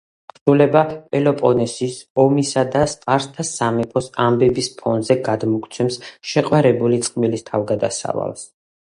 თხზულება პელოპონესის ომისა და სპარსთა სამეფოს ამბების ფონზე გადმოგვცემს შეყვარებული წყვილის თავგადასავალს.